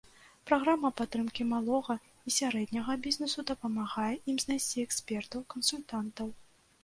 Праграма падтрымкі малога і сярэдняга бізнесу дапамагае ім знайсці экспертаў, кансультантаў.